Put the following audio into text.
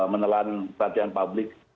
menelan perhatian publik